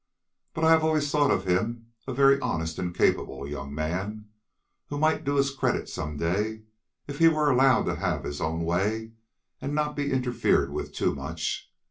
But I have always thought him a very honest and capable young man, who might do us credit some day, if he were allowed to have his own way and not be interfered with too much.